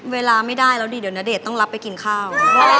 เวลาไม่ได้แล้วดีเดี๋ยวณเดชน์ต้องรับไปกินข้าว